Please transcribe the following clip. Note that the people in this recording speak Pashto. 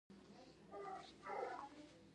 د غاښونو خرابوالی د سر درد لامل ګرځي.